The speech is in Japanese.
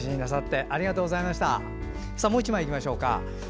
もう１枚いきましょうか。